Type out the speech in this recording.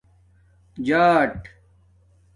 جݳٹ